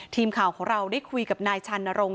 ทีมข่าวของเราได้คุยกับนายชานรงค